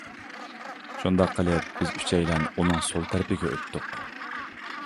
شۇنداق قىلىپ بىز ئۈچەيلەن ئۇنىڭ سول تەرىپىگە ئۆتتۇق.